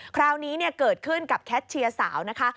คราวนี้เกิดขึ้นกับแคทเชียร์สาวนะคะ